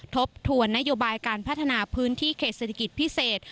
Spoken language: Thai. ทบทวนนโยบายการพัฒนาพื้นที่เขตเศรษฐกิจพิเศษ